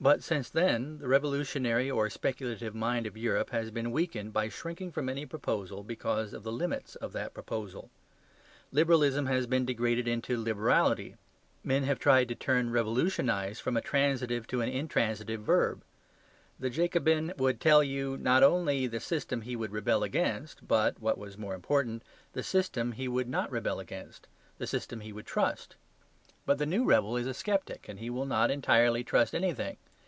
But since then the revolutionary or speculative mind of Europe has been weakened by shrinking from any proposal because of the limits of that proposal. Liberalism has been degraded into liberality. Men have tried to turn "revolutionise" from a transitive to an intransitive verb. The Jacobin could tell you not only the system he would rebel against, but (what was more important) the system he would NOT rebel against, the system he would trust. But the new rebel is a Sceptic, and will not entirely trust anything.